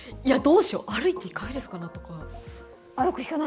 どうしよう歩いて帰れるかな？とか。